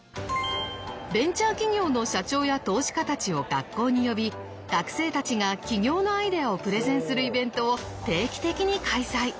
ベンチャー企業の社長や投資家たちを学校に呼び学生たちが起業のアイデアをプレゼンするイベントを定期的に開催。